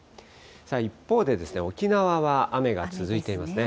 一方で、沖縄は雨が続いていますね。